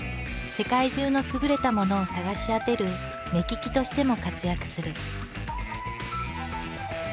世界中の優れたものを探し当てる目利きとしても活躍する。